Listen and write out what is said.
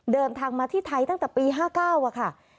เดินทางมาที่ไทยตั้งแต่ปี๕๙ค่ะ